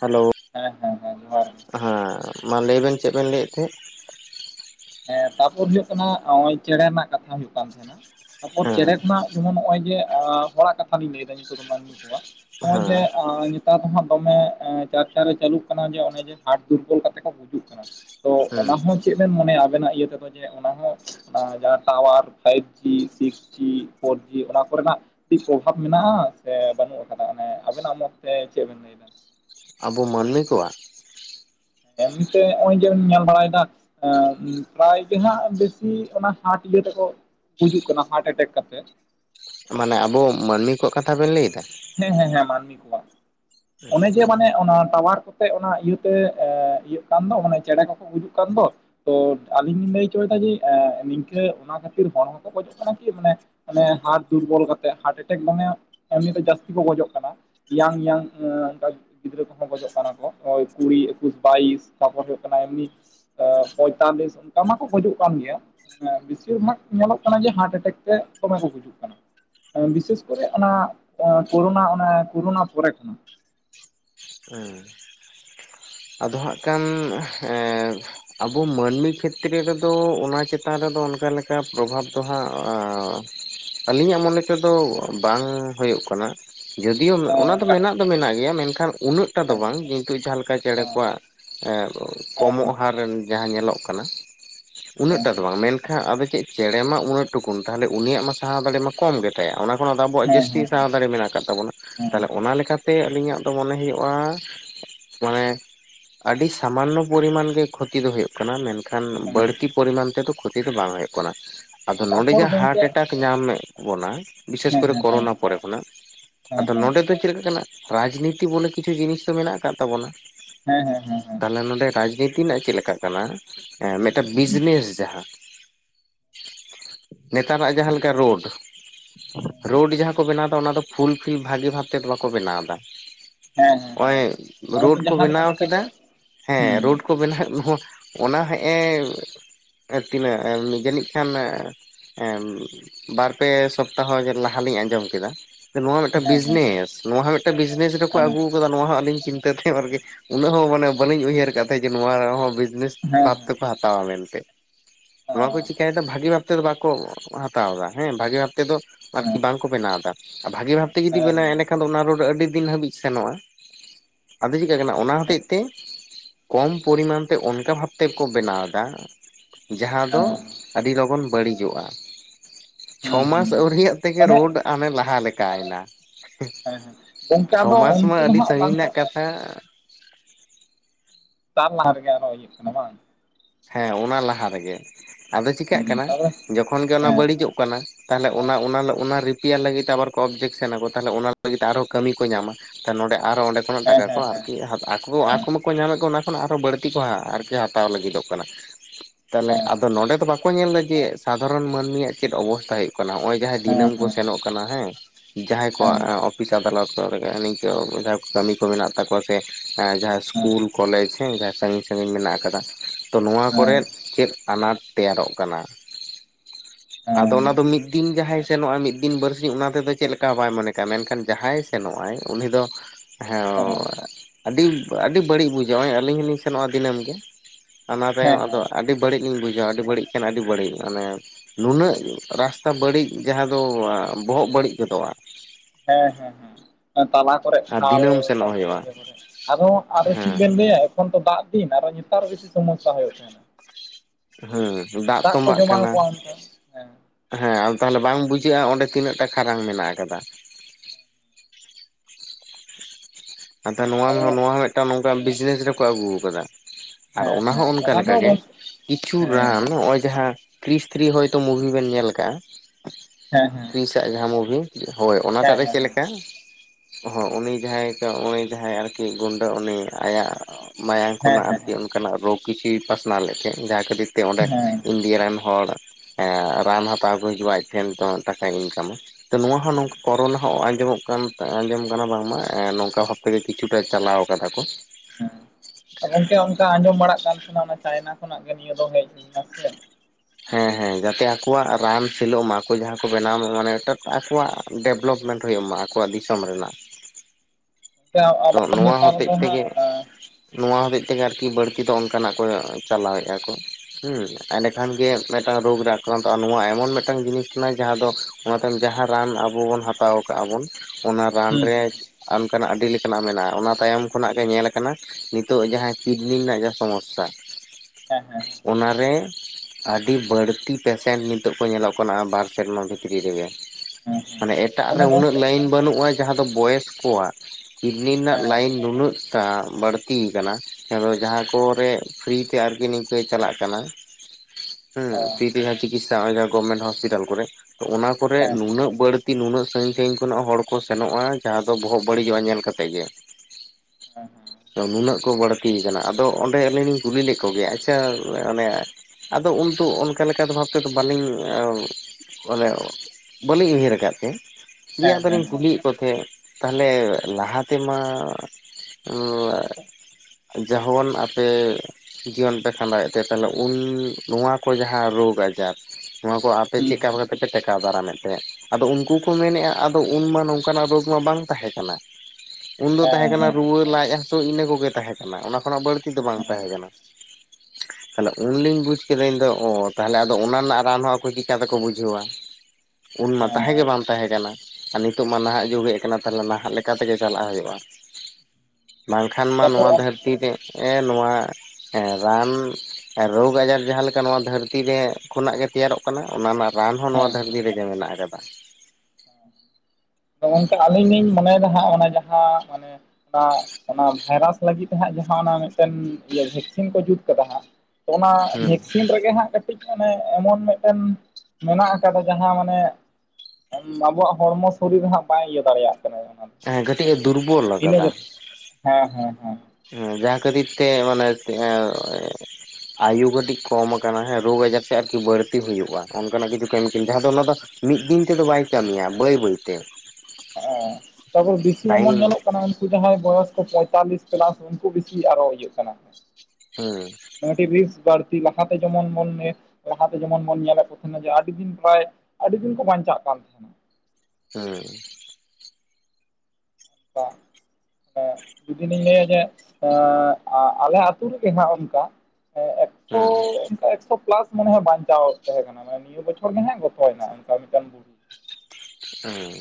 Hello. ᱦᱮᱸ ᱦᱮᱸ ᱦᱮᱸ ᱡᱚᱦᱟᱨ ᱜᱮ᱾ ᱦᱮᱸ ᱢᱟ ᱞᱟᱹᱭ ᱵᱮᱱ ᱪᱮᱫ ᱵᱮᱱ ᱞᱟᱹᱭᱮᱫ ᱛᱟᱦᱮᱸᱫ? ᱦᱮᱸ ᱛᱟᱯᱚᱨ ᱦᱩᱭᱩᱜ ᱠᱟᱱᱟ ᱦᱚᱸᱜᱼᱚᱭ ᱪᱮᱬᱮ ᱨᱮᱱᱟᱜ ᱠᱟᱛᱷᱟ ᱦᱩᱭᱩᱜ ᱠᱟᱱ ᱛᱟᱦᱮᱸᱱᱟ᱾ ᱛᱟᱯᱚᱨ ᱦᱮᱸ ᱪᱮᱬᱮ ᱠᱷᱚᱱᱟᱜ ᱡᱮᱢᱚᱱ ᱱᱚᱸᱜ-ᱚᱭ ᱡᱮ ᱟᱸ ᱦᱚᱲᱟᱜ ᱠᱟᱛᱷᱟ ᱞᱤᱧ ᱞᱟᱹᱭ ᱮᱫᱟ ᱱᱤᱛᱚᱜ ᱫᱚ ᱢᱟᱹᱱᱢᱤ ᱠᱚᱣᱟᱜ᱾ ᱦᱚᱸᱜ-ᱚᱭ ᱦᱮᱸ ᱡᱮ ᱟᱸ ᱧᱩ ᱱᱮᱛᱟᱨ ᱫᱚ ᱦᱟᱸᱜ ᱫᱚᱢᱮ ᱮᱸ ᱪᱟᱨᱪᱟᱨᱮ ᱪᱟᱹᱞᱩᱜ ᱠᱟᱱᱟ ᱡᱮ ᱚᱱᱮ ᱡᱮ ᱦᱟᱴ ᱫᱩᱨᱵᱚᱞ ᱠᱟᱛᱮ ᱠᱚ ᱜᱩᱡᱩᱜ ᱠᱟᱱᱟ, ᱛᱚ ᱦᱮᱸ ᱚᱱᱟ ᱦᱚᱸ ᱪᱮᱫ ᱵᱮᱱ ᱢᱚᱱᱮᱭᱟ ᱟᱵᱮᱱᱟᱜ ᱤᱭᱟᱹ ᱛᱮᱫᱚ ᱡᱮ ᱚᱱᱟ ᱦᱚᱸ ᱚᱱᱟ ᱡᱟᱦᱟᱸ tower five G, six G, four G ᱚᱱᱟ ᱠᱚᱨᱮᱱᱟᱜ ᱴᱤᱡ ᱯᱨᱚᱵᱷᱟᱵ ᱢᱮᱱᱟᱜᱼᱟ ᱥᱮ ᱵᱟᱹᱱᱩᱜ ᱠᱟᱫᱟ ᱚᱱᱮ ᱟᱵᱮᱱᱟᱜ ᱢᱚᱛᱛᱮ ᱪᱮᱫ ᱵᱮᱱ ᱞᱟᱹᱭᱫᱟ? ᱟᱵᱚ ᱢᱟᱹᱱᱢᱤ ᱠᱚᱣᱟᱜ? ᱮᱢᱛᱮ ᱦᱚᱸᱜᱼᱚᱭ ᱡᱮᱢ ᱧᱮᱞ ᱵᱟᱲᱟᱭ ᱫᱟ ᱮᱸ ᱯᱨᱟᱭ ᱜᱮ ᱦᱟᱸᱜ ᱵᱮᱥᱤ ᱚᱱᱟ ᱦᱟᱴ ᱤᱭᱟᱹ ᱛᱮᱠᱚ ᱜᱩᱡᱩᱜ ᱠᱟᱱᱟ ᱦᱟᱴ ᱮᱴᱮᱠ ᱠᱟᱛᱮᱜ᱾ ᱢᱟᱱᱮ ᱟᱵᱚ ᱢᱟᱹᱱᱢᱤ ᱠᱚᱣᱟᱜ ᱠᱟᱛᱷᱟ ᱵᱤᱱ ᱞᱟᱹᱭ ᱫᱟ? ᱦᱮᱸ ᱦᱮᱸ ᱦᱮᱸ ᱢᱟᱹᱱᱢᱤ ᱠᱚᱣᱟᱜ, ᱚᱱᱮ ᱡᱮ ᱢᱟᱱᱮ ᱚᱱᱟ ᱴᱟᱣᱟᱨ ᱠᱚ ᱛᱮ ᱚᱱᱟ ᱤᱭᱟᱹᱛᱮ ᱮᱸ ᱤᱭᱟᱹᱜ ᱠᱟᱱ ᱫᱚ ᱢᱟᱱᱮ ᱪᱮᱬᱮ ᱠᱚᱠᱚ ᱜᱩᱡᱩᱜ ᱠᱟᱱ ᱫᱚ ᱛᱚ ᱟᱞᱤᱧ ᱞᱤᱧ ᱞᱟᱹᱭ ᱦᱚᱪᱚᱭᱫᱟ ᱡᱮ ᱮ ᱱᱤᱝᱠᱟᱹ ᱚᱱᱟ ᱠᱷᱟᱹᱛᱤᱨ ᱦᱚᱲ ᱦᱚᱸᱠᱚ ᱜᱚᱡᱚᱜ ᱠᱟᱱᱟ ᱠᱤ ᱢᱟᱱᱮ ᱢᱟᱱᱮ ᱦᱟᱨᱴ ᱫᱩᱨᱵᱚᱞ ᱠᱟᱛᱮᱜ ᱦᱟᱨᱴ ᱮᱴᱮᱠ ᱢᱟᱱᱮ ᱮᱢᱱᱤᱛᱮ ᱡᱟᱹᱥᱛᱤ ᱠᱚ ᱜᱚᱡᱚᱜ ᱠᱟᱱᱟ᱾ ᱤᱭᱟᱝ ᱤᱭᱟᱝ ᱟᱸ ᱜᱟ ᱜᱤᱫᱽᱨᱟᱹ ᱠᱚᱦᱚᱸ ᱜᱚᱡᱚᱜ ᱠᱟᱱᱟ ᱠᱚ ᱠᱩᱲᱤ ᱮᱠᱩᱥ ᱵᱟᱭᱤᱥ ᱛᱟᱨᱯᱚᱨ ᱦᱩᱭᱩᱜ ᱠᱟᱱᱟ [unintelligible] ᱟ ᱯᱚᱸᱭᱛᱟᱞᱞᱤᱥ ᱚᱱᱠᱟ ᱢᱟᱠᱚ ᱜᱚᱡᱚᱜ ᱠᱟᱱ ᱜᱮᱭᱟ, ᱮᱸ ᱵᱮᱥᱤᱨ ᱵᱷᱟᱜᱽ ᱧᱮᱞᱚᱜ ᱠᱟᱱᱟ ᱡᱮ ᱦᱟᱨᱴ ᱮᱴᱮᱠ ᱛᱮ ᱫᱚᱢᱮ ᱠᱚ ᱜᱩᱡᱩᱜ ᱠᱟᱱᱟ᱾ ᱮᱸ ᱵᱤᱥᱮᱥ ᱠᱚᱨᱮ ᱚᱱᱟ ᱠᱳᱨᱳᱱᱟ ᱚᱱᱮ ᱠᱳᱨᱳᱱᱟ ᱯᱚᱨᱮ ᱠᱷᱚᱱᱟᱜ᱾ ᱩᱸ᱾ ᱟᱫᱚ ᱦᱟᱸᱜ ᱠᱟᱱ ᱮᱸ ᱟᱵᱚ ᱢᱟᱹᱱᱢᱤ ᱠᱷᱮᱛᱨᱮ ᱨᱮᱫᱚ ᱚᱱᱟ ᱪᱮᱛᱟᱱ ᱨᱮᱫᱚ ᱚᱱᱠᱟ ᱞᱮᱠᱟ ᱯᱨᱚᱵᱷᱟᱵᱽ ᱫᱚ ᱦᱟᱸᱜ ᱟ ᱟᱹᱞᱤᱧᱟᱜ ᱢᱚᱱᱮ ᱛᱮᱫᱚ ᱵᱟᱝ ᱦᱩᱭᱳᱜ ᱠᱟᱱᱟ᱾ ᱡᱚᱫᱤᱭᱳ ᱚᱱᱟ ᱫᱚ ᱢᱮᱱᱟᱜ ᱫᱚ ᱢᱮᱱᱟᱜ ᱜᱮᱭᱟ ᱢᱮᱱᱠᱷᱟᱱ ᱩᱱᱟᱹᱜ ᱴᱟ ᱫᱚ ᱦᱮᱸ ᱵᱟᱝ ᱠᱤᱱᱛᱩ ᱡᱟᱦᱟᱸᱮᱠᱟ ᱪᱮᱬᱮ ᱦᱮᱸ ᱠᱚᱣᱟᱜ ᱦᱮᱸ ᱦᱮᱸ ᱦᱮᱸ ᱠᱚᱢᱚᱜ ᱦᱟᱨ ᱡᱟᱦᱟᱸ ᱧᱮᱞᱚᱜ ᱠᱟᱱᱟ ᱩᱱᱟᱹᱜ ᱦᱮᱸ ᱴᱟ ᱫᱚ ᱵᱟᱝ ᱢᱮᱱᱠᱷᱟᱱ ᱟᱫᱚ ᱪᱮᱫ ᱪᱮᱬᱮ ᱢᱟ ᱩᱱᱟᱹᱜ ᱴᱩᱠᱩᱩᱱ ᱛᱟᱦᱚᱞᱮ ᱩᱱᱤᱭᱟᱜ ᱢᱟ ᱥᱟᱦᱟᱣ ᱫᱟᱲᱮ ᱢᱟ ᱠᱚᱢ ᱜᱮ, ᱛᱮ ᱚᱱᱟ ᱠᱷᱚᱱᱟᱜ ᱫᱚ ᱟᱵᱚᱣᱟᱜ ᱦᱮᱸ ᱡᱟᱹᱥᱛᱤ ᱦᱮᱸ ᱥᱟᱶ ᱫᱟᱲᱮ ᱢᱮᱱᱟᱜ ᱠᱟᱫ ᱛᱟᱵᱚᱱᱟ᱾ ᱦᱮᱸ ᱛᱟᱦᱞᱮ ᱚᱱᱟ ᱞᱮᱠᱟᱛᱮ ᱟᱹᱞᱤᱧᱟᱜ ᱫᱚ ᱢᱚᱱᱮ ᱦᱩᱭᱩᱜᱼᱟ ᱢᱟᱱᱮ ᱟᱹᱰᱤ ᱥᱟᱢᱟᱱᱱᱚ ᱯᱚᱨᱤᱢᱟᱱ ᱜᱮ ᱠᱷᱚᱛᱤ ᱫᱚ ᱦᱩᱭᱩᱜ ᱠᱟᱱᱟ, ᱢᱮᱱᱠᱷᱟᱱ ᱠᱷᱟᱱ ᱦᱮᱸ ᱵᱟᱹᱲᱛᱤ ᱯᱚᱨᱤᱢᱟᱱ ᱛᱮᱫᱚ ᱠᱷᱚᱛᱤ ᱫᱚ ᱵᱟᱝ ᱦᱩᱭᱩᱜ ᱠᱟᱱᱟ, ᱟᱫᱚ ᱱᱚᱰᱮ ᱛᱟᱯᱚᱨ ᱡᱟ ᱦᱟᱨᱴ ᱜᱚᱝᱠᱮ ᱮᱴᱮᱠ ᱧᱟᱢᱮᱫ ᱵᱚᱱᱟ ᱵᱤᱥᱮᱥ ᱦᱮᱸ ᱠᱚᱨᱮ ᱦᱮᱸ ᱠᱚᱨᱳᱱᱟ ᱯᱚᱨᱮ ᱠᱷᱚᱱᱟᱜ ᱦᱮᱸ ᱦᱮᱸ ᱟᱫᱚ ᱱᱚᱰᱮ ᱫᱚ ᱯᱚᱨᱮ ᱠᱷᱚᱱᱟᱜ ᱟᱫᱚ ᱱᱚᱰᱮ ᱫᱚ ᱪᱮᱫ ᱠᱟᱱᱟ ᱨᱟᱡᱽᱱᱤᱛᱤ ᱵᱚᱞᱮ ᱠᱤᱪᱷᱩ ᱡᱤᱱᱤᱥ ᱫᱚ ᱢᱮᱱᱟᱜ ᱟᱠᱟᱫ ᱛᱟᱵᱚᱱᱟ ᱾ [unintelligible] ᱦᱮᱸ ᱦᱮᱸ ᱦᱮᱸ ᱦᱮᱸ ᱾ ᱮ ᱱᱚᱰᱮ ᱨᱟᱡᱽᱱᱤᱛᱤ ᱨᱮᱱᱟᱜ ᱪᱮᱫ ᱞᱮᱠᱟᱜ ᱠᱟᱱᱟ ᱢᱤᱫᱴᱟᱱ ᱵᱤᱡᱽᱱᱮᱥ ᱡᱟᱦᱟᱸ ᱱᱮᱛᱟᱨᱟᱜ ᱡᱟᱦᱟᱸ ᱞᱮᱠᱟ ᱨᱳᱰ ᱨᱳᱰ ᱡᱟᱦᱟᱸ ᱠᱚ ᱵᱮᱱᱟᱣᱫᱟ ᱚᱱᱟ ᱫᱚ ᱯᱷᱩᱞ ᱯᱷᱤᱞ ᱵᱷᱟᱹᱜᱤ ᱵᱷᱟᱵ ᱛᱮᱫᱚ ᱵᱟᱠᱚ ᱵᱮᱱᱟᱣᱫᱟ ᱾ ᱦᱮᱸ ᱦᱮᱸ ᱦᱮᱸ ᱱᱚᱜᱼᱚᱭ ᱦᱮᱸ ᱚᱱᱮ ᱨᱳᱰ ᱛᱚ ᱠᱚ ᱡᱟᱦᱟᱸ ᱞᱮᱠᱟ ᱵᱮᱱᱟᱣ ᱠᱟᱛᱮ ᱠᱮᱫᱟ ᱠᱚ ᱦᱮᱸ ᱦᱩᱸ ᱨᱳᱰ ᱵᱮᱱᱟᱣ ᱱᱚᱣᱟ ᱚᱱᱟ ᱦᱮᱜ ᱮᱸ ᱛᱤᱱᱟᱹᱜ ᱡᱟᱹᱱᱤᱡ ᱠᱷᱟᱱ ᱮᱸ ᱵᱟᱨ ᱯᱮ ᱥᱚᱯᱛᱟᱦᱚ ᱞᱟᱦᱟᱞᱤᱧ ᱟᱸᱡᱚᱢ ᱠᱮᱫᱟ᱾ ᱱᱚᱣᱟ ᱢᱤᱫᱴᱟᱝ ᱦᱮᱸ ᱦᱮᱸ ᱵᱤᱡᱱᱮᱥ ᱱᱚᱣᱟ ᱦᱚᱸ ᱢᱤᱫᱴᱟᱝ ᱵᱤᱡᱽᱱᱮᱥ ᱨᱮᱠᱚ ᱟᱹᱜᱩ ᱟᱠᱟᱫᱟ ᱱᱚᱣᱟ ᱦᱚᱸ ᱟᱞᱤᱧ ᱪᱤᱱᱛᱟᱹ ᱛᱮ ᱟᱨᱠᱤ ᱩᱱᱟᱹᱜ ᱦᱚᱸ ᱢᱟᱱᱮ ᱵᱟᱹᱞᱤᱧ ᱩᱭᱦᱟᱹᱨ ᱠᱟᱫ ᱛᱟᱦᱮᱸᱫ ᱡᱮ ᱱᱚᱣᱟ ᱦᱚᱸ ᱵᱤᱡᱽᱱᱮᱥ ᱦᱮᱸ ᱵᱷᱟᱵ ᱦᱮᱸ ᱛᱮᱠᱚ ᱦᱟᱛᱟᱣᱟ ᱢᱮᱱᱛᱮ ᱾ ᱚ ᱱᱚᱣᱟ ᱠᱚ ᱪᱤᱠᱟᱭ ᱫᱟ ᱵᱷᱟᱜᱤ ᱵᱟᱯ ᱵᱷᱟᱵ ᱛᱮᱫᱚ ᱵᱟᱠᱚ ᱮᱢᱚᱜ-ᱟ ᱦᱟᱛᱟᱣ ᱮᱫᱟ ᱦᱮᱸ ᱵᱷᱟᱜᱤ ᱵᱷᱟᱵ ᱛᱮᱫᱚ ᱵᱟᱝᱠᱚ ᱵᱮᱱᱟᱣ ᱫᱟ ᱟᱨ ᱵᱷᱟᱜᱮ ᱵᱷᱟᱵᱛᱮ ᱛᱮ ᱡᱩᱫᱤ ᱦᱮᱸ ᱵᱮᱱᱟᱣᱟᱭ ᱦᱮᱸ ᱮᱸᱰᱮᱠᱷᱟᱱ ᱚᱱᱟ ᱨᱳᱰ ᱟᱹᱰᱤ ᱫᱤᱱ ᱦᱟᱹᱵᱤᱡ ᱥᱮᱱᱚᱜ-ᱟ᱾ ᱪᱤᱠᱟᱹᱜ ᱠᱟᱱᱟ ᱚᱱᱟ ᱦᱚᱛᱮᱡ ᱛᱮ ᱠᱚᱢ ᱯᱚᱨᱤᱢᱟᱱ ᱛᱮ ᱚᱱᱠᱟ ᱵᱷᱟᱵ ᱛᱮᱠᱚ ᱵᱮᱱᱟᱣ ᱮᱫᱟ ᱡᱟᱦᱟᱸ ᱫᱚ ᱦᱮᱸ ᱟᱹᱰᱤ ᱞᱚᱜᱚᱱ ᱵᱟᱹᱲᱤᱡᱚᱜᱼᱟ, ᱪᱷ ᱦᱩᱸ ᱦᱩᱸ ᱢᱟᱥ ᱟᱹᱣᱨᱤᱭ ᱟᱜ ᱛᱮᱜᱮ ᱢᱟᱱᱮ ᱨᱳᱰ ᱦᱟᱱᱮ ᱞᱟᱦᱟ ᱞᱮᱠᱟᱭᱱᱟ᱾ ᱦᱮᱸ ᱦᱮᱸ ᱜᱚᱝᱠᱮ ᱪᱷᱚ ᱟᱫᱚ ᱢᱟᱥ ᱢᱟ ᱩᱱᱠᱩ ᱫᱚ ᱟᱹᱰᱤ ᱦᱟᱸᱜ ᱥᱟᱺᱜᱤᱧ ᱵᱟᱝᱠᱚ ᱨᱮᱱᱟᱜ ᱠᱟᱛᱷᱟ ᱛᱟᱨ ᱞᱟᱦᱟ ᱜᱮᱟᱨ ᱟᱨᱦᱚᱸ ᱤᱭᱟᱹ ᱠᱟᱱᱟ ᱵᱟᱝ ᱾ ᱦᱮᱸ ᱚᱱᱟ ᱞᱟᱦᱟ ᱨᱮᱜᱮ ᱟᱫᱚ ᱪᱮᱤᱠᱟᱹᱜ ᱦᱩᱸ ᱠᱟᱱᱟ ᱛᱟᱯᱚᱨᱮ ᱡᱚᱠᱷᱚᱱ ᱜᱮ ᱚᱱᱟ ᱦᱮᱸ ᱵᱟᱹᱲᱤᱡᱚᱜ ᱠᱟᱱᱟ, ᱛᱟᱦᱚᱞᱮ ᱚᱱᱟ ᱚᱱᱟ ᱨᱤᱯᱮᱭᱟᱨ ᱞᱟᱹᱜᱤᱫ ᱛᱮ ᱟᱵᱟᱨ ᱚᱵᱡᱮᱠᱥᱮᱱᱱᱟ ᱠᱚ ᱛᱟᱦᱚᱞᱮ ᱚᱱᱟ ᱞᱟᱹᱜᱤᱫ ᱛᱮ ᱟᱨᱦᱚᱸ ᱠᱟᱹᱢᱤ ᱠᱚ ᱧᱟᱢᱟ ᱾ ᱛᱮ ᱱᱚᱰᱮ ᱟᱨᱚ ᱚᱸᱰᱮ ᱠᱷᱚᱱᱟᱜ ᱦᱮᱸ ᱴᱟᱠᱟ ᱠᱚ ᱦᱮᱸ ᱦᱮᱸ ᱟᱨᱠᱤ ᱟᱠᱚ ᱦᱮᱸ ᱟᱠᱚ ᱢᱟᱠᱚ ᱧᱟᱢᱮᱫ ᱠᱚᱣᱟ ᱚᱱᱟ ᱠᱷᱚᱱᱟᱜ ᱟᱨᱦᱚ ᱵᱟᱹᱲᱛᱤ ᱠᱚ ᱟᱨᱠᱤ ᱦᱟᱛᱟᱣ ᱞᱟᱹᱜᱤᱫᱚᱜ ᱦᱮᱸ ᱛᱟᱦᱚᱞᱮ ᱦᱮᱸ ᱟᱫᱚ ᱱᱚᱰᱮ ᱫᱚ ᱵᱟᱠᱚ ᱧᱮᱞᱫᱟ ᱡᱮ ᱥᱟᱫᱷᱟᱨᱚᱱ ᱢᱟᱹᱱᱢᱤᱭᱟᱜ ᱪᱮᱫ ᱚᱵᱚᱥᱛᱟ ᱦᱩᱭᱩᱜ ᱱᱚᱜᱚᱭ ᱡᱟᱦᱟᱸᱭ ᱦᱮᱸ ᱫᱤᱱᱟᱹᱢ ᱠᱚ ᱦᱮᱸ ᱥᱮᱱᱚᱜ ᱠᱟᱱᱟ ᱦᱮᱸ ᱡᱟᱦᱟᱸᱭ ᱠᱚᱣᱟᱜ ᱦᱮᱸ ᱚᱯᱷᱤᱥ ᱟᱫᱟᱞᱚᱛ ᱱᱤᱝᱠᱟᱹ ᱡᱟᱦᱟᱸᱭ ᱠᱟᱹᱢᱤ ᱠᱚ ᱢᱮᱱᱟᱜ ᱛᱟᱠᱚᱣᱟ ᱥᱮ ᱡᱟᱦᱟᱸᱭ ᱤᱥᱠᱩᱞ ᱠᱚᱞᱮᱡᱽ ᱥᱮ ᱡᱟᱦᱟᱸᱭ ᱥᱟᱜᱤᱧ ᱤ ᱢᱮᱱᱟᱜ ᱠᱟᱫᱟ ᱛᱚ ᱱᱚᱣᱟ ᱠᱚᱨᱮᱜ ᱪᱮᱫ ᱟᱱᱟᱴ ᱛᱮᱭᱟᱨᱚᱜ ᱠᱟᱱᱟ ᱾ [unintelligible] ᱟᱫᱚ ᱚᱱᱟ ᱫᱚ ᱢᱤᱫ ᱫᱤᱱ ᱡᱟᱦᱟᱸᱭ ᱥᱮᱱᱚᱜᱼᱟ ᱢᱤᱫ ᱫᱤᱱ ᱵᱟᱨᱥᱤᱧ ᱚᱱᱟ ᱛᱮᱫᱚ ᱪᱮᱫ ᱞᱮᱠᱟ ᱵᱟᱭ ᱢᱚᱱᱮ ᱠᱟᱜᱼᱟ, ᱢᱮᱱᱠᱷᱟᱱ ᱡᱟᱦᱟᱸᱭ ᱥᱮᱱᱚᱜᱼᱟᱭ ᱩᱱᱤ ᱫᱚ ᱦᱮᱸᱻ ᱦᱮᱸ ᱦᱮᱸ ᱟᱹᱰᱤ ᱟᱹᱰᱤ ᱵᱟᱹᱲᱤᱡ ᱵᱩᱡᱷᱟᱹᱜ ᱱᱚᱜᱚᱭ ᱟᱹᱞᱤᱧ ᱦᱚᱞᱤᱧ ᱥᱮᱱᱚᱜᱼᱟ ᱫᱤᱱᱟᱹᱢ ᱜᱮ ᱾ ᱚᱱᱟ ᱦᱮᱸ ᱛᱟᱭᱚᱢ ᱦᱮᱸ ᱟᱫᱚ ᱟᱹᱰᱤ ᱵᱟᱹᱲᱤᱡ ᱞᱤᱧ ᱵᱩᱡᱷᱟᱹᱣᱟ ᱟᱹᱰᱤ ᱵᱟᱹᱲᱤᱡ ᱠᱷᱟᱱ ᱟᱹᱰᱤ ᱵᱟᱹᱲᱤᱡ ᱚᱱᱮ ᱱᱩᱱᱟᱹᱜ ᱨᱟᱥᱛᱟ ᱵᱟᱹᱲᱤᱡ ᱡᱟᱦᱟᱸ ᱫᱚ ᱵᱚᱦᱚᱜ ᱵᱟᱹᱲᱤᱡ ᱜᱚᱫᱚᱜᱼᱟ᱾ ᱦᱮᱸ ᱦᱮᱸ ᱦᱮᱸ ᱾ ᱛᱟᱞᱟ ᱠᱚᱨᱮ ᱟᱨ ᱠᱷᱟᱞ ᱫᱤᱱᱟᱹᱢ ᱥᱮᱱᱚᱜ ᱛᱟᱯᱚᱨ ᱦᱩᱭᱩᱜᱼᱟ ᱤᱭᱟᱹ ᱠᱚᱨᱮ ᱟᱨᱦᱚ ᱟᱨᱦᱚ ᱪᱮᱫ ᱦᱮᱸ ᱵᱮᱱ ᱞᱟᱹᱭᱟ ᱾ ᱛᱚᱠᱷᱚᱱ ᱛᱚ ᱫᱟᱜ ᱫᱤᱱ ᱟᱨᱦᱚ ᱱᱮᱛᱟᱨ ᱵᱮᱥᱤ ᱥᱚᱢᱚᱥᱥᱟ ᱦᱩᱭᱩᱜ ᱛᱟᱦᱮᱸᱱᱟ ᱾ ᱦᱚᱸ ᱫᱟᱜ ᱠᱚ ᱛᱚᱢᱵᱟᱜ ᱡᱚᱢᱟᱣ ᱠᱟᱱᱟ᱾ ᱠᱚᱣᱟ ᱚᱱᱠᱟ ᱦᱮᱸ ᱦᱮᱸ ᱟᱫᱚ ᱛᱟᱦᱚᱞᱮ ᱵᱟᱝ ᱵᱩᱡᱷᱟᱹᱜᱼᱟ ᱚᱸᱰᱮ ᱛᱤᱱᱟᱹᱜ ᱴᱟ ᱠᱷᱟᱨᱟᱝ ᱢᱮᱱᱟᱜ ᱟᱠᱟᱫᱟ ᱾ ᱟᱫᱚ ᱱᱚᱣᱟ ᱢᱟᱱᱮ ᱱᱚᱣᱟ ᱦᱚᱸ ᱢᱤᱫᱴᱟᱱ ᱱᱚᱝᱠᱟᱱ ᱵᱤᱡᱽᱱᱮᱥ ᱨᱮᱠᱚ ᱟᱹᱜᱩ ᱠᱟᱫᱟ᱾ ᱟᱨ ᱦᱮᱸ ᱚᱱᱟ ᱦᱮᱸ ᱦᱚᱸ ᱚᱱᱠᱟ ᱫᱚ ᱞᱮᱠᱟ ᱜᱮ ᱜᱚᱝᱠᱮ ᱠᱤᱪᱷᱩ ᱨᱟᱱ ᱦᱮᱸ ᱱᱚᱜᱼᱚᱭ ᱡᱟᱦᱟᱸ ᱠᱤᱨᱤᱥ ᱛᱷᱤᱨᱤ ᱦᱚᱭᱛᱚ ᱢᱩᱵᱷᱤ ᱵᱮᱱ ᱧᱮᱞ ᱠᱟᱜᱼᱟ ᱦᱮᱸ ᱦᱮᱸ᱾ ᱠᱩᱥᱤᱭᱟᱜ ᱥᱟᱜ ᱡᱟᱦᱟᱸ ᱢᱩᱵᱷᱤ ᱦᱳᱭ ᱦᱮᱸ ᱚᱱᱟᱴᱟᱜ ᱨᱮ ᱦᱮᱸ ᱪᱮᱫ ᱦᱮᱸ ᱞᱮᱠᱟ ᱩᱱᱤ ᱡᱟᱦᱟᱸᱭ ᱠᱮ ᱦᱩᱸᱜᱩᱭ ᱡᱟᱦᱟᱸᱭ ᱟᱨᱠᱤ ᱜᱩᱰᱟᱹ ᱩᱱᱤ ᱟᱭᱟᱜ ᱢᱟᱭᱟᱝ ᱦᱮᱸ ᱠᱷᱚᱱᱟᱜ ᱦᱮᱸ ᱟᱨᱠᱤᱼᱼᱼ ᱚᱱᱠᱟᱱᱟᱜ ᱨᱳᱜᱽ ᱠᱤᱪᱷᱩᱭ ᱯᱟᱥᱱᱟᱣ ᱞᱮᱫ ᱛᱟᱦᱮᱸᱫ ᱡᱟᱦᱟᱸ ᱠᱷᱟᱹᱛᱤᱨ ᱛᱮ ᱚᱸᱰᱮ ᱦᱮᱸ ᱰᱤᱭᱟ ᱨᱮᱱ ᱦᱚᱲ ᱮᱸ ᱨᱟᱱ ᱦᱟᱛᱟᱣ ᱠᱚ ᱦᱤᱡᱩᱜᱼᱟ ᱟᱡ ᱴᱷᱮᱱ ᱛᱚ ᱴᱟᱠᱟᱭ ᱤᱱᱠᱟᱢᱟ᱾ ᱛᱚ ᱱᱚᱣᱟ ᱦᱚᱸ ᱦᱮᱸ ᱱᱚᱝᱠᱟ ᱠᱚᱨᱳᱱᱟ ᱦᱚᱸ ᱟᱸᱡᱚᱢᱚᱜ ᱟᱸᱡᱚᱢ ᱠᱟᱱᱟ ᱵᱟᱝᱢᱟ ᱮ ᱱᱚᱝ ᱚᱱᱠᱟ ᱵᱷᱟᱵᱽ ᱛᱮᱜᱮ ᱠᱤᱪᱷᱩᱴᱟ ᱪᱟᱞᱟᱣ ᱠᱟᱫᱟ ᱠᱚ ᱦᱮᱸ ᱜᱚᱝᱠᱮ ᱚᱱᱠᱟ ᱟᱸᱡᱚᱢ ᱵᱟᱲᱟᱜ ᱠᱟᱱ ᱛᱟᱦᱮᱸᱱᱟ ᱚᱱᱟ ᱪᱟᱭᱱᱟ ᱠᱷᱚᱱᱟᱜ ᱜᱮ ᱱᱤᱭᱟᱹ ᱫᱚ ᱦᱮᱡ ᱞᱮᱱᱟ ᱥᱮ ᱦᱮᱸ ᱦᱮᱸ ᱡᱟᱛᱮ ᱟᱠᱚᱣᱟᱜ ᱨᱟᱱ ᱥᱮᱞᱚᱜ ᱢᱟ ᱟᱠᱚ ᱡᱟᱦᱟᱸ ᱠᱚ ᱵᱮᱱᱟᱣ ᱢᱟ ᱢᱟᱱᱮ ᱢᱤᱫᱴᱟᱝ ᱟᱠᱚᱣᱟᱜ ᱰᱮᱵᱷᱞᱚᱯᱢᱮᱱᱴ ᱦᱳᱭᱳᱜ ᱢᱟ ᱟᱠᱚᱣᱟᱜ ᱫᱤᱥᱚᱢ ᱨᱮᱱᱟᱜ ᱟᱫᱚ ᱟᱵᱟᱨ ᱱᱚᱣᱟ ᱱᱮᱛᱟᱨ ᱦᱚᱛᱮᱡ ᱫᱚ ᱦᱟᱸᱜ ᱛᱮᱜᱮ ᱱᱚᱣᱟ ᱦᱚᱛᱮᱡ ᱛᱮᱜᱮ ᱟᱨᱠᱤ ᱵᱟᱹᱲᱛᱤ ᱫᱚ ᱚᱱᱠᱟ ᱱᱟᱜ ᱠᱚ ᱪᱟᱞᱟᱣᱮᱜᱼᱟᱠᱚ᱾ ᱦᱩᱸ ᱮᱸᱰᱮᱠᱷᱟᱱ ᱜᱮ ᱢᱤᱫᱴᱟᱝ ᱨᱳᱜᱽ ᱨᱮ ᱟᱠᱨᱟᱱᱛᱚᱜᱼᱟ ᱱᱚᱣᱟ ᱮᱢᱚᱱ ᱢᱤᱫᱴᱟᱝ ᱡᱤᱱᱤᱥ ᱠᱟᱱᱟ ᱡᱟᱦᱟᱸ ᱫᱚ ᱚᱱᱟ ᱛᱟᱭᱚᱢ ᱡᱟᱦᱟᱸ ᱨᱟᱱ ᱟᱵᱚ ᱵᱚᱱ ᱦᱟᱛᱟᱣ ᱠᱟᱜᱼᱟᱵᱚᱱ ᱚᱱᱟ ᱨᱟᱱ ᱦᱩᱸ ᱨᱮ ᱦᱩᱸ ᱚᱱᱠᱟᱱᱟᱜ ᱟᱹᱰᱤ ᱞᱮᱠᱟ ᱚᱱᱠᱟᱱᱟᱜ ᱢᱮᱱᱟᱜᱼᱟ ᱚᱱᱟ ᱛᱟᱭᱚᱢ ᱠᱷᱚᱱᱟᱜ ᱜᱮ ᱧᱮᱞ ᱠᱟᱱᱟ ᱱᱤᱛᱳᱜ ᱡᱟᱦᱟᱸ ᱠᱤᱰᱱᱤ ᱨᱮᱱᱟᱜ ᱡᱟᱦᱟᱸ ᱥᱚᱢᱚᱥᱥᱟ ᱦᱮᱸ ᱦᱮᱸ ᱚᱱᱟ ᱨᱮ ᱟᱹᱰᱤ ᱵᱟᱹᱲᱛᱤ ᱯᱮᱥᱮᱱᱴ ᱱᱤᱛᱳᱜ ᱠᱚ ᱧᱮᱞᱚᱜ ᱠᱟᱱᱟ ᱵᱟᱨ ᱥᱮᱨᱢᱟ ᱵᱷᱤᱛᱨᱤ ᱨᱮᱜᱮ᱾ ᱦᱮᱸ ᱦᱮᱸ ᱢᱟᱱᱮ ᱮᱴᱟᱜ ᱨᱮ ᱚᱱᱮ ᱩᱱᱟᱹᱜ ᱜᱚᱝᱠᱮ ᱞᱟᱹᱭᱤᱱ ᱵᱟᱹᱱᱩᱜᱼᱟ ᱡᱟᱦᱟᱸ ᱫᱚ ᱵᱚᱭᱮᱥ ᱠᱚᱣᱟᱜ᱾ ᱠᱤᱰᱱᱤ ᱨᱮᱱᱟᱜ ᱦᱮᱸ ᱞᱟᱭᱤᱱ ᱱᱩᱱᱟᱹᱜ ᱴᱟ ᱵᱟᱹᱲᱛᱤ ᱠᱟᱱᱟ᱾ ᱟᱫᱚ ᱡᱟᱦᱟᱸ ᱠᱚᱨᱮᱜ ᱯᱷᱨᱤ ᱛᱮ ᱟᱨᱠᱤ ᱱᱤᱝᱠᱟᱹ ᱪᱟᱞᱟᱜ ᱠᱟᱱᱟ᱾ ᱦᱩᱸ ᱚ ᱯᱷᱤᱨᱤ ᱛᱮ ᱡᱟᱦᱟᱸ ᱪᱤᱠᱤᱥᱟ ᱱᱚᱜᱼᱚᱭ ᱜᱚᱵᱷᱢᱮᱱᱴ ᱦᱚᱥᱯᱤᱴᱟᱞ ᱠᱚᱨᱮ ᱚᱱᱟ ᱠᱚᱨᱮ ᱦᱮᱸ ᱦᱮᱸ ᱱᱩᱱᱟᱹᱜ ᱵᱟᱹᱲ ᱱᱩᱱᱟᱹᱜ ᱥᱟᱺᱜᱤᱧ ᱥᱟᱺᱜᱤᱧ ᱠᱷᱚᱱᱟᱜ ᱦᱚᱲ ᱠᱚ ᱥᱮᱱᱚᱜᱼᱟ ᱡᱟᱦᱟᱸ ᱫᱚ ᱵᱚᱦᱚᱜ ᱵᱟᱹᱲᱤᱡᱚᱜᱼᱟ ᱧᱮᱞ ᱠᱟᱛᱮᱫ ᱜᱮ ᱦᱮᱸ ᱦᱮᱸ ᱟ ᱱᱩᱱᱟᱹᱜ ᱠᱚ ᱵᱟᱹᱲᱛᱤ ᱠᱟᱱᱟ ᱟᱫᱚ ᱚᱸᱰᱮ ᱟᱹᱞᱤᱧ ᱞᱤᱧ ᱠᱩᱞᱤ ᱞᱮᱫ ᱠᱚᱜᱮᱭᱟ ᱟᱪᱪᱷᱟ ᱚᱱᱮ ᱟᱫᱚ ᱩᱱᱛᱚ ᱚᱱᱠᱟ ᱞᱮᱠᱟ ᱵᱷᱟᱵᱽ ᱛᱮᱫᱚ ᱵᱟᱹᱞᱤᱧ ᱮ ᱚᱱᱮ ᱵᱟᱹᱞᱤᱧ ᱩᱭᱦᱟᱹᱨ ᱟᱠᱟᱫ ᱛᱮ ᱫᱤᱭᱮ ᱦᱮᱸ ᱟᱫᱚ ᱦᱮᱸ ᱞᱤᱧ ᱠᱩᱞᱤᱭᱮᱫ ᱠᱚ ᱛᱟᱦᱮᱸᱫ ᱛᱟᱦᱚᱞᱮ ᱞᱟᱦᱟ ᱛᱮᱢᱟ ᱩ ᱡᱚᱦᱚᱶᱟᱱ ᱟᱯᱮ ᱡᱤᱭᱚᱱ ᱯᱮ ᱠᱷᱟᱸᱰᱟᱣᱮᱫ ᱛᱮ ᱛᱟᱦᱞᱮ ᱩᱱ ᱱᱚᱣᱟ ᱠᱚ ᱡᱟᱦᱟᱸ ᱨᱳᱜᱽ ᱟᱡᱟᱨ ᱱᱚᱣᱟ ᱠᱚ ᱟᱯᱮ ᱦᱩᱸ ᱪᱮᱫᱠᱟ ᱦᱩᱸ ᱥᱮᱯᱮ ᱴᱮᱠᱟᱣ ᱫᱟᱨᱟᱢᱮᱫ ᱛᱟᱸᱦᱮᱜ ᱟᱫᱚ ᱩᱱᱠᱩ ᱠᱚ ᱢᱮᱱᱮᱜᱼᱟ ᱟᱫᱚ ᱩᱱᱢᱟ ᱱᱚᱝᱠᱟᱱᱟᱜ ᱨᱳᱜᱽ ᱢᱟ ᱵᱟᱝ ᱛᱟᱦᱮᱸ ᱠᱟᱱᱟ᱾ ᱩᱱᱫᱚ ᱦᱮᱸ ᱛᱟᱦᱮᱸ ᱠᱟᱱᱟ ᱦᱮᱸ ᱨᱩᱣᱟᱹ, ᱞᱟᱡ ᱦᱟᱹᱥᱩ, ᱤᱱᱟᱹ ᱠᱚᱜᱮ ᱛᱟᱦᱮᱸ ᱠᱟᱱᱟ ᱚᱱᱟ ᱠᱷᱚᱱᱟᱜ ᱵᱟᱹᱲᱛᱤ ᱫᱚ ᱵᱟᱝ ᱦᱮᱸ ᱛᱟᱦᱮᱸ ᱠᱟᱱᱟ᱾ ᱛᱟᱦᱚᱞᱮ ᱩᱱᱞᱤᱧ ᱵᱩᱡᱽ ᱠᱮᱫᱟ ᱤᱧ ᱫᱚ ᱚ ᱛᱟᱦᱞᱮ ᱟᱫᱚ ᱚᱱᱟ ᱨᱮᱱᱟᱜ ᱨᱟᱱ ᱦᱚᱸ ᱟᱠᱚ ᱪᱤᱠᱟᱛᱮᱠᱚ ᱵᱩᱡᱷᱟᱹᱣᱟ᱾ [inaudible] ᱩᱱᱢᱟ ᱛᱟᱦᱮᱸ ᱜᱮ ᱦᱮᱸ ᱵᱟᱝ ᱛᱟᱦᱮᱸ ᱠᱟᱱᱟ᱾ ᱟᱨ ᱱᱤᱛᱚᱜ ᱢᱟ ᱱᱟᱦᱟᱜ ᱡᱩᱜᱽ ᱦᱮᱡ ᱠᱟᱱᱟ ᱛᱟᱦᱚᱞᱮ ᱱᱟᱦᱟᱜ ᱞᱮᱠᱟ ᱛᱮᱜᱮ ᱪᱟᱞᱟᱜ ᱦᱳᱭᱳᱜᱼᱟ᱾ ᱵᱟᱝᱠᱷᱟᱱ ᱢᱟ ᱛᱟᱯᱚᱨ ᱱᱚᱣᱟ ᱚᱱ ᱫᱷᱟᱹᱨᱛᱤ ᱨᱮ ᱮ ᱱᱚᱣᱟ ᱨᱟᱱ ᱨᱳᱜᱽ ᱟᱡᱟᱨ ᱡᱟᱦᱟᱸᱞᱮᱠᱟ ᱱᱚᱣᱟ ᱫᱷᱟᱹᱨᱛᱤ ᱨᱮ ᱠᱷᱚᱱᱟᱜ ᱜᱮ ᱛᱮᱭᱟᱨᱚᱜ ᱠᱟᱱᱟ ᱚᱱᱟ ᱨᱮᱱᱟᱜ ᱨᱟᱱ ᱦᱚᱸ ᱱᱚᱣᱟ ᱦᱮᱸ ᱫᱷᱟᱹᱨᱛᱤ ᱨᱮᱜᱮ ᱢᱮᱱᱟᱜ ᱟᱠᱟᱫᱟ᱾ ᱜᱚᱝᱠᱮ ᱟᱹᱞᱤᱧ ᱞᱤᱧ ᱢᱚᱱᱮᱭᱮᱫᱟ ᱦᱟᱸᱜ ᱚᱱᱟ ᱡᱟᱦᱟᱸ ᱢᱟᱱᱮ ᱚᱱᱟ ᱚᱱᱟ ᱵᱷᱟᱭᱨᱟᱥ ᱞᱟᱹᱜᱤᱫ ᱦᱟᱸᱜ ᱡᱟᱦᱟᱸᱚᱱᱟ ᱢᱤᱫᱴᱮᱱ ᱵᱷᱮᱠᱥᱤᱱ ᱠᱚ ᱡᱩᱛ ᱠᱟᱫᱟ ᱦᱟᱸᱜ ᱚᱱᱟ ᱵᱷᱮᱠᱥᱤᱱ ᱨᱮᱜᱮ ᱦᱟᱸᱜ ᱠᱟᱹᱴᱤᱡ ᱢᱟᱱᱮ ᱮᱢᱚᱱ ᱢᱤᱫᱴᱮᱱ ᱢᱮᱱᱟᱜ ᱟᱠᱟᱫᱟ ᱡᱟᱦᱟᱸ ᱢᱟᱱᱮ ᱟᱵᱚᱣᱟᱜ ᱦᱚᱲᱢᱚ ᱥᱚᱨᱤᱨ ᱨᱮ ᱦᱟᱸᱜ ᱵᱟᱭ ᱤᱭᱟᱹ ᱫᱟᱲᱮᱭᱟᱜ ᱠᱟᱱᱟᱭ ᱚᱱᱟ᱾ ᱫᱚ ᱦᱮᱸ ᱠᱟᱹᱴᱤᱡ ᱮ ᱫᱩᱨᱵᱚᱞ ᱤᱱᱟᱹ ᱟᱠᱟᱫᱟ᱾ ᱠᱟᱛ ᱦᱮᱸ ᱦᱮᱸ ᱦᱮᱸ᱾ ᱡᱟᱦᱟᱸ ᱠᱷᱟᱛᱤᱨ ᱛᱮ ᱢᱟᱱᱮ ᱮ ᱮ ᱟᱭᱩ ᱠᱟᱹᱴᱤᱡ ᱠᱚᱢ ᱟᱠᱟᱱᱟ ᱦᱮ, ᱨᱳᱜᱽ ᱟᱡᱟᱨ ᱛᱮ ᱟᱨᱠᱤ ᱵᱟᱹᱲᱛᱤ ᱦᱩᱭᱩᱜᱼᱟ᱾ ᱚᱱᱠᱟᱱᱟᱜ ᱠᱤᱪᱷᱩ ᱠᱟᱢᱤ ᱵᱤᱱ ᱡᱟᱦᱟᱸ ᱫᱚ ᱚᱱᱟ ᱫᱚ ᱢᱤᱫ ᱫᱤᱱ ᱛᱮᱫᱚ ᱵᱟᱭ ᱠᱟᱢᱤᱭᱟ ᱵᱟᱹᱭ ᱵᱟᱹᱭᱛᱮ᱾ [unintelligible] ᱛᱚᱵᱮ ᱵᱤᱥᱤ ᱮᱢᱚᱱ ᱴᱟᱭᱤᱢ ᱧᱮᱞᱚᱜ ᱠᱟᱱᱟ, ᱩᱱᱠᱩ ᱡᱟᱦᱟᱸᱭ ᱵᱚᱭᱚᱥ ᱠᱚ ᱯᱚᱸᱭᱛᱟᱞᱞᱤᱥ ᱯᱞᱟᱥ ᱩᱱᱠᱩ ᱵᱤᱥᱤ ᱟᱨᱚ ᱤᱭᱟᱹᱜ ᱠᱟᱱᱟ ᱠᱚ᱾ ᱦᱩᱸ᱾ ᱟᱰᱤ ᱵᱤᱥ ᱵᱟᱲᱛᱤ ᱞᱟᱦᱟ ᱛᱮ ᱡᱮᱢᱚᱱ ᱢᱚᱱ ᱱᱮ ᱞᱟᱦᱟᱛᱮ ᱡᱮᱢᱚᱱ ᱵᱚᱱ ᱧᱮᱞᱮᱫ ᱠᱚ ᱛᱟᱦᱮᱱᱟ, ᱡᱮ ᱟᱹᱰᱤ ᱫᱤᱱ ᱯᱨᱟᱭ ᱟᱹᱰᱤ ᱫᱤᱱ ᱠᱚ ᱵᱟᱧᱪᱟᱜ ᱠᱟᱱ ᱛᱟᱦᱮᱱᱟ᱾ ᱦᱩᱸ᱾ ᱵᱟ ᱦᱮ ᱡᱩᱫᱤ ᱞᱤᱧ ᱞᱟᱹᱭᱟ ᱡᱮ ᱦᱮᱸ, ᱟᱞᱮ ᱟᱛᱳ ᱨᱮᱜᱮ ᱱᱟᱜ ᱚᱱᱠᱟ ᱦᱩᱸ ᱮᱠᱥᱚ-ᱚᱱᱠᱟ ᱮᱠᱥᱚ ᱯᱞᱟᱥ᱾ ᱢᱚᱱᱮ ᱦᱚᱭ ᱵᱟᱧᱪᱟᱣ ᱛᱟᱦᱮᱸ ᱠᱟᱱᱟ᱾ ᱢᱟᱱᱮ ᱱᱤᱭᱟᱹ ᱵᱚᱪᱷᱚᱨ ᱜᱮ ᱦᱟᱜ ᱜᱚᱛᱚᱭᱮᱱᱟ᱾ ᱚᱱᱠᱟ ᱢᱤᱫᱴᱟᱱ ᱵᱩᱲᱦ ᱦᱩᱸ᱾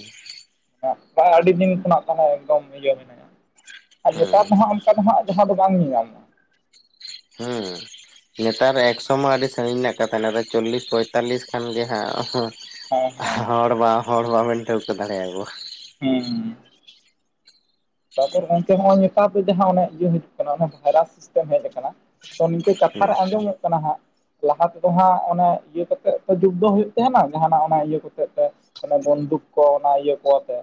ᱢᱟᱱᱮ ᱟᱹᱰᱤ ᱫᱤᱱ ᱠᱷᱚᱱᱟᱜ ᱢᱟᱱᱮ ᱮᱠᱫᱚᱢ ᱤᱭᱟᱹ ᱢᱮᱱᱟᱭᱟ ᱟᱨ ᱦᱩᱸ ᱱᱮᱛᱟᱨ ᱫᱚ ᱦᱟᱸᱜ ᱚᱱᱠᱟ ᱫᱚ ᱦᱟᱸᱜ ᱡᱟᱦᱟ ᱫᱚ ᱵᱟᱝ ᱧᱮᱧᱟᱢᱚᱜ-ᱟ᱾ ᱦᱮᱸ᱾ ᱱᱮᱛᱟᱨ ᱮᱠᱥᱚ ᱢᱟ ᱟᱹᱰᱤ ᱥᱟᱺᱜᱤᱧ ᱨᱮᱱᱟᱜ ᱠᱟᱛᱷᱟ, ᱱᱮᱛᱟᱨ ᱪᱚᱞᱞᱤᱥ ᱯᱚᱸᱭᱛᱟᱞᱞᱤᱥ ᱠᱷᱟᱱ ᱜᱮ ᱦᱮᱸ ᱦᱮᱸ ᱦᱟᱸᱜ ᱦᱚᱲ ᱵᱟ ᱦᱚᱲ ᱵᱟᱵᱮᱱ ᱴᱷᱟᱹᱣᱠᱟᱹ ᱫᱟᱲᱮᱭᱟᱠᱚᱣᱟ᱾ ᱦᱩᱸ᱾ ᱛᱟᱯᱚᱨ ᱜᱚᱝᱠᱮ ᱱᱚᱜᱼᱚᱭ ᱱᱮᱛᱟᱨ ᱫᱚ ᱡᱟᱦᱟᱸ ᱤᱭᱟᱹ ᱦᱤᱡᱩᱜ ᱠᱟᱱᱟ, ᱚᱱᱟ ᱵᱷᱟᱭᱨᱟᱥ ᱥᱤᱥᱴᱮᱢ ᱦᱮᱡ ᱟᱠᱟᱱᱟ᱾ ᱛᱚ ᱱᱤᱝᱠᱟᱹ ᱠᱟᱛᱷᱟ ᱦᱩᱸ ᱨᱮ ᱟᱸᱡᱚᱢᱚᱜ ᱠᱟᱱᱟ ᱦᱟᱸᱜ ᱞᱟᱦᱟ ᱛᱮᱫᱚ ᱦᱟᱸᱜ ᱚᱱᱮ ᱤᱭᱟᱹ ᱠᱟᱛᱮᱫ ᱛᱚ ᱡᱩᱫᱽᱫᱷᱚ ᱦᱩᱭᱩᱜ ᱛᱟᱦᱮᱱᱟ᱾ ᱡᱟᱦᱟᱱᱟᱜ ᱚᱱᱟ ᱤᱭᱟᱹ ᱠᱟᱛᱮᱫ ᱛᱮ᱾ ᱢᱟᱱᱮ ᱵᱚᱱᱫᱩᱠ ᱠᱚ ᱚᱱᱟ ᱤᱭᱟᱹ ᱠᱚ ᱟᱛᱮ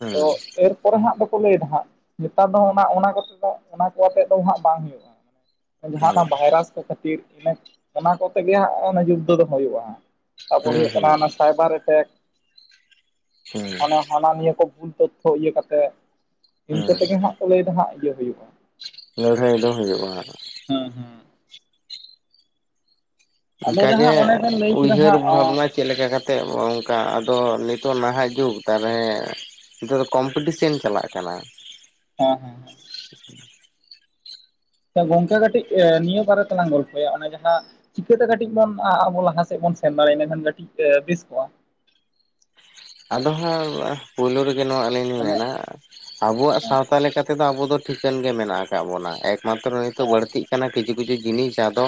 ᱦᱩᱸ ᱮᱨᱯᱚᱨᱮ ᱦᱟᱸᱜ ᱫᱚ ᱞᱟᱹᱭᱮᱫᱟ ᱦᱟᱸᱜ, ᱱᱮᱛᱟᱨ ᱫᱚ ᱚᱱᱟ ᱠᱚ ᱟᱛᱮ ᱫᱚ ᱚᱱᱟ ᱠᱚ ᱟᱛᱮ ᱫᱚ ᱦᱟᱸᱜ ᱵᱟᱝ ᱦᱩᱭᱩᱜᱼᱟ᱾ ᱡᱟᱦᱟᱸ ᱚᱱᱟ ᱵᱷᱟᱭᱨᱟᱥ ᱠᱚ ᱠᱷᱟᱹᱛᱤᱨ, ᱤᱱᱟᱹ ᱚᱱᱟ ᱠᱚᱛᱮᱜᱮ ᱦᱟᱸᱜ ᱚᱱᱟ ᱡᱩᱫᱽᱫᱷᱚ ᱫᱚ ᱦᱩᱭᱩᱜᱼᱟ ᱦᱟᱸᱜ᱾ ᱛᱟᱨᱯᱚᱨ ᱦᱩᱸ ᱦᱩᱭᱩᱜ ᱦᱩᱸ ᱠᱟᱱᱟ ᱚᱱᱟ ᱥᱟᱭᱵᱟᱨ ᱮᱴᱮᱠ᱾ ᱦᱩᱸ ᱦᱩᱸ ᱦᱟᱱᱟ ᱦᱟᱱᱟ ᱱᱤᱭᱟᱹ ᱠᱚ ᱵᱷᱩᱞ ᱛᱚᱛᱛᱷᱚ ᱤᱭᱟᱹ ᱠᱟᱛᱮᱫ᱾ ᱦᱩᱸ ᱤᱱᱠᱟᱹ ᱛᱮᱜᱮ ᱦᱟᱸᱜ ᱠᱚ ᱞᱟᱹᱭ ᱫᱚ ᱦᱟᱸᱜ ᱤᱭᱟᱹ ᱦᱩᱭᱩᱜᱼᱟ᱾ ᱞᱟᱹᱲᱦᱟᱹᱭ ᱫᱚ ᱦᱩᱭᱩᱜᱼᱟ᱾ ᱦᱮᱸ ᱦᱮᱸ᱾ ᱟᱫᱚ ᱚᱱᱠᱟ ᱜᱮ ᱡᱟᱦᱟᱸ ᱚᱱᱮ ᱵᱮᱱ ᱞᱟᱹᱭ ᱠᱮᱫᱟ ᱩᱭᱦᱟᱹᱨ ᱦᱟᱸᱜ ᱵᱷᱟᱵᱱᱟ ᱪᱮᱫ ᱞᱮᱠᱟ ᱠᱟᱛᱮᱜ ᱚᱝᱠᱟ, ᱟᱫᱚ ᱱᱤᱛᱚᱜ ᱱᱟᱦᱟᱜ ᱡᱩᱜᱽ ᱛᱟᱦᱚᱞᱮ ᱱᱤᱛᱚᱜ ᱫᱚ ᱠᱚᱢᱯᱤᱴᱤᱥᱮᱱ ᱪᱟᱞᱟᱜ ᱠᱟᱱᱟ᱾ ᱦᱮᱸ ᱦᱮᱸ ᱦᱮᱸ᱾ [inaudible] ᱛᱚ ᱜᱚᱝᱠᱮ ᱠᱟᱹᱴᱤᱡ ᱱᱤᱭᱟᱹ ᱵᱟᱨᱮ ᱛᱮᱞᱟᱝ ᱜᱚᱞᱯᱷᱚᱭᱟ ᱚᱱᱮ ᱡᱟᱦᱟᱸ ᱪᱤᱠᱟᱹᱛᱮ ᱠᱟᱹᱴᱤᱡ ᱵᱚᱱ ᱟᱵᱚ ᱞᱟᱦᱟ ᱥᱮᱫ ᱵᱚᱱ ᱥᱮᱱ ᱫᱟᱲᱮᱭᱟᱜᱼᱟ, ᱤᱱᱟᱹᱠᱷᱟᱱ ᱠᱟᱹᱴᱤᱡ ᱵᱮᱥ ᱠᱚᱜᱼᱟ᱾ ᱟᱫᱚ ᱦᱟᱸᱜ ᱯᱳᱭᱞᱳ ᱨᱮᱜᱮ ᱱᱚᱣᱟ ᱟᱞᱤᱧ ᱞᱤᱧ ᱢᱟᱱᱮ ᱢᱮᱱᱟ᱾ ᱟᱵᱚᱣᱟᱜ ᱦᱮᱸ ᱥᱟᱶᱛᱟ ᱞᱮᱠᱟᱛᱮᱫᱚ ᱟᱵᱚ ᱫᱚ ᱴᱷᱤᱠᱟᱹᱱ ᱜᱮ ᱢᱮᱱᱟᱜ ᱟᱠᱟᱜ ᱵᱚᱱᱟ, ᱮᱠᱢᱟᱛᱨᱚ ᱱᱤᱛᱚᱜ ᱦᱮᱸ ᱵᱟᱹᱲᱛᱤ ᱠᱟᱱᱟ ᱠᱤᱪᱷᱩ ᱠᱤᱪᱷᱩ ᱡᱤᱱᱤᱥ ᱟᱫᱚ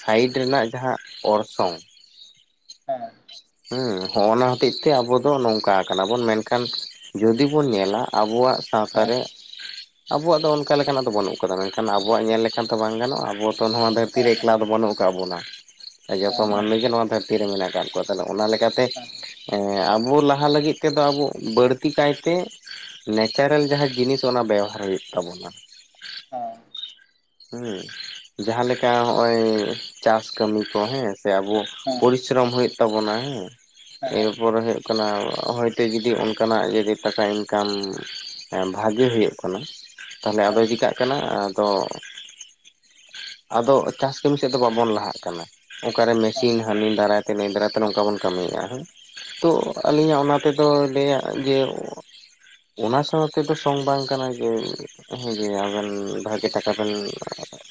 ᱥᱟᱭᱤᱰ ᱨᱮᱱᱟᱜ ᱡᱟᱦᱟᱸ ᱚᱨᱥᱚᱝ ᱦᱮᱸ᱾ ᱦᱮᱸ, ᱦᱚᱜ-ᱚᱱᱟ ᱦᱚᱛᱮᱡ ᱛᱮ ᱟᱵᱚ ᱫᱚ ᱱᱚᱝᱠᱟ ᱟᱠᱟᱱᱟ ᱵᱚᱱ ᱢᱮᱱᱠᱷᱟᱱ ᱡᱩᱚᱫᱤ ᱵᱚᱱ ᱧᱮᱞᱟ ᱟᱵᱚᱣᱟᱜ ᱥᱟᱶᱛᱟ ᱦᱮᱸ ᱨᱮ ᱟᱵᱚᱣᱟᱜ ᱫᱚ ᱚᱱᱠᱟ ᱞᱮᱠᱟᱱᱟᱜ ᱫᱚ ᱵᱟᱹᱱᱩᱜ ᱟᱠᱟᱫᱟ, ᱢᱮᱱᱠᱷᱟᱱ ᱟᱵᱚᱣᱟᱜ ᱧᱮᱞ ᱞᱮᱠᱷᱟᱱ ᱫᱚ ᱵᱟᱝ ᱜᱟᱱᱚᱜᱼᱟ, ᱟᱵᱚ ᱱᱚᱣᱟ ᱫᱷᱟᱹᱨᱛᱤ ᱨᱮ ᱦᱮᱸ ᱦᱮᱸ ᱮᱠᱞᱟ ᱫᱚ ᱵᱟᱹᱱᱩᱜᱫ ᱟᱠᱟᱱ ᱵᱚᱱᱟ ᱦᱮᱸ ᱦᱮᱸ ᱦᱮᱸ ᱦᱮᱸ ᱦᱮᱸ ᱦᱮᱸ ᱦᱮᱸ ᱦᱮᱸ ᱦᱮᱸ ᱦᱮᱸ ᱦᱮᱸ ᱦᱮᱸ ᱦᱮᱸ ᱦᱮᱸ ᱡᱚᱛᱚ ᱦᱮᱸ ᱢᱟᱱᱢᱤ ᱜᱮ ᱱᱚᱣᱟ ᱫᱷᱟᱨ ᱛᱤᱨ ᱨᱮ ᱢᱮᱱᱟᱜ ᱟᱠᱟᱫ ᱠᱚᱣᱟ, ᱛᱟᱦᱚᱞᱮ ᱚᱱᱟ ᱞᱮᱠᱟᱛᱮ ᱮᱸ ᱟᱵᱚ ᱞᱟᱦᱟ ᱞᱟᱹᱜᱤᱫ ᱛᱮᱫᱚ ᱟᱵᱚ, ᱵᱟᱹᱲᱛᱤ ᱠᱟᱭᱛᱮ ᱱᱮᱪᱟᱨᱮᱞ ᱡᱟᱦᱟᱸ ᱡᱤᱱᱤᱥ, ᱚᱱᱟ ᱵᱮᱣᱚᱦᱟᱨ ᱦᱩᱭᱩᱜ ᱛᱟᱵᱚᱱᱟ᱾ ᱚᱻ ᱦᱩᱸ ᱡᱟᱦᱟᱸᱞᱮᱠᱟ ᱦᱚᱜᱼᱚᱭ ᱪᱟᱥ ᱠᱟᱹᱢᱤ ᱠᱚ ᱦᱮᱸ, ᱥᱮ ᱟᱵᱚ, ᱯᱚᱨᱤᱥᱨᱚᱢ ᱦᱳᱭᱳᱜ ᱛᱟᱵᱚᱱᱟ ᱦᱮᱸ, ᱦᱮᱸ ᱦᱮᱸ ᱮᱨᱯᱚᱨ ᱦᱳᱭᱳᱜ ᱠᱟᱱᱟ, ᱦᱚᱭᱛᱳ ᱡᱚᱫᱤ ᱚᱱᱠᱟᱱᱟᱜ ᱡᱚᱫᱤ ᱴᱟᱠᱟ ᱤᱱᱠᱟᱢ ᱵᱷᱟᱜᱮ ᱦᱳᱭᱳᱜ ᱠᱟᱱᱟ, ᱛᱟᱦᱞᱮ ᱟᱫᱚ ᱦᱮᱸ ᱪᱤᱫᱟᱜ ᱠᱟᱱᱟ ᱟᱫᱚ, ᱟᱫᱚ ᱪᱟᱥ ᱠᱟᱹᱢᱤ ᱥᱮᱫ ᱫᱚ ᱵᱟᱵᱚᱱ ᱞᱟᱦᱟᱜ ᱠᱟᱱᱟ᱾ ᱚᱱᱠᱟᱨᱮ ᱢᱮᱥᱤᱱ ᱦᱟᱹᱱᱤ ᱫᱟᱨᱟᱭ ᱛᱮ ᱱᱟᱹᱭ ᱫᱟᱨᱟᱭᱛᱮ, ᱱᱚᱝᱠᱟ ᱵᱚᱱ ᱠᱟᱹᱢᱤᱭᱮᱫᱼᱟ, ᱦᱮ ᱛᱚ ᱟᱹᱞᱤᱧᱟᱜ ᱚᱱᱟᱛᱮᱫᱚ ᱞᱟᱹᱭᱟ ᱡᱮ ᱚᱱᱟ ᱥᱟᱶᱛᱮ ᱫᱚ ᱥᱚᱝ ᱵᱟᱝ ᱠᱟᱱᱟ ᱡᱮ ᱦᱮᱸᱜᱮ ᱟᱵᱮᱱ ᱵᱷᱟᱜᱮ, ᱴᱟᱠᱟ ᱵᱮᱱ